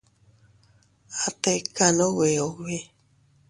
A tikan ubi ubi.